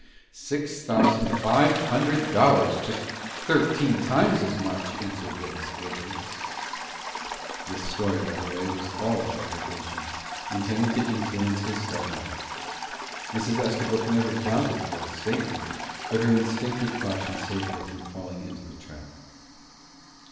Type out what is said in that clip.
"Six thousand five hundred dollars just thirteen times as much!" answered Willis, glibly. This story, by the way, was all a fabrication, intended to influence his stepmother. Mrs. Estabrook never doubted Ford's statement, but her instinctive caution saved her from falling into the trap.